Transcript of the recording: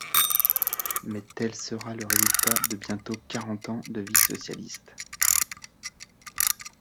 Mais tel sera le résultat de bientôt quarante ans de vie socialiste.